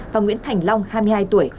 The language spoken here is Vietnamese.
và nguyễn thành long hai mươi hai tuổi